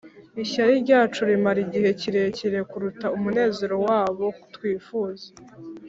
“ishyari ryacu rimara igihe kirekire kuruta umunezero w'abo twifuza